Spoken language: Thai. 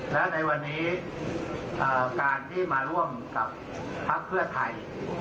แล้วในวันนี้เอ่อการที่มาร่วมกับภาคเพื่อไทย